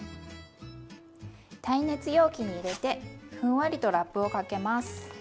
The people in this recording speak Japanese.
耐熱容器に入れてふんわりとラップをかけます。